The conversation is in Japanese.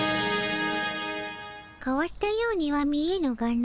かわったようには見えぬがの。